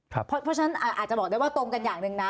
เพราะฉะนั้นอาจจะบอกได้ว่าตรงกันอย่างหนึ่งนะ